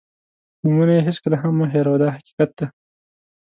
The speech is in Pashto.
نومونه یې هېڅکله هم مه هېروه دا حقیقت دی.